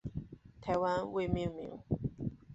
台湾未命名。